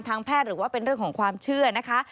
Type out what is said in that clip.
แพทย์หรือว่าเป็นเรื่องของความเชื่อนะคะ